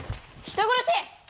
人殺し！